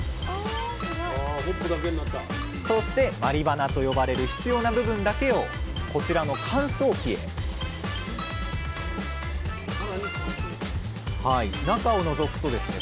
そして毬花と呼ばれる必要な部分だけをこちらの乾燥機へ中をのぞくとですね